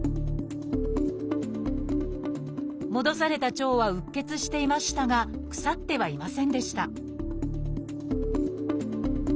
戻された腸はうっ血していましたが腐ってはいませんでした